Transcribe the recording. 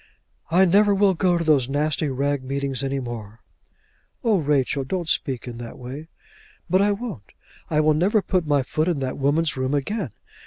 "I never will go to those nasty rag meetings any more." "Oh Rachel, don't speak in that way." "But I won't. I will never put my foot in that woman's room again.